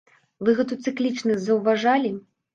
Вы гэту цыклічнасць заўважалі?